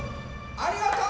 ありがとう！